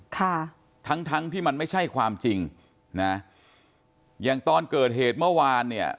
ค่ะทั้งทั้งที่มันไม่ใช่ความจริงนะอย่างตอนเกิดเหตุเมื่อวานเนี่ย